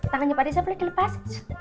tangannya mariza boleh dilepas